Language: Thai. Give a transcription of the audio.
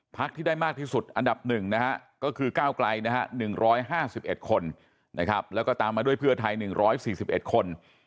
พักที่ได้มากที่สุดอันดับ๑ก็คือก้าวกลาย๑๕๑คนแล้วก็ตามมาด้วยเพื่อไทย๑๔๑คน